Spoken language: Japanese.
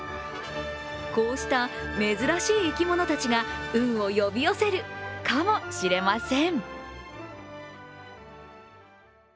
こうした珍しい生き物たちが運を呼び寄せるかもしれません。